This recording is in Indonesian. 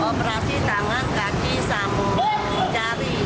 operasi tangan kaki sambu jari